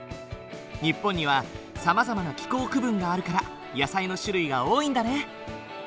日本にはさまざまな気候区分があるから野菜の種類が多いんだね。